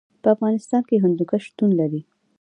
په افغانستان کې هندوکش شتون لري.